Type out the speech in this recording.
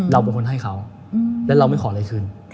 เราเป็นคนให้เขาและเราไม่ขออะไรคืน